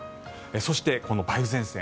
そして、この梅雨前線